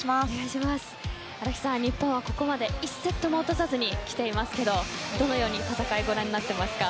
荒木さん、日本はここまで１セットも落とさずに来ていますけどもどのように戦いをご覧になっていますか。